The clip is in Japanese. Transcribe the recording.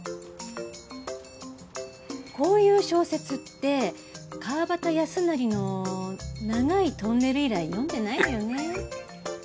こういう小説って川端康成の「長いトンネル」以来読んでないのよね。